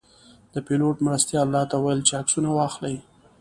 د پیلوټ مرستیال راته ویل چې عکسونه واخلئ.